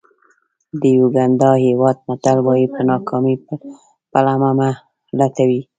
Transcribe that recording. د یوګانډا هېواد متل وایي په ناکامۍ پلمه مه لټوئ.